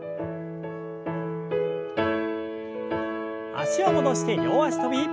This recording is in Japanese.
脚を戻して両脚跳び。